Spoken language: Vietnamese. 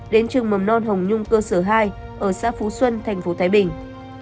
đến trường mầm non hồng nhung cơ sở hai ở xã phú xuân thành phố thái bình